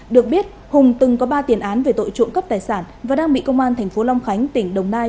được biết hùng từng có ba tiền án về tội trộm cắp tài sản và đang bị công an tp long khánh tỉnh đồng nai